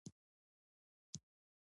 سترګو ته يې اوبه ورکولې .